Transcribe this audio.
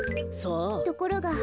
ところが。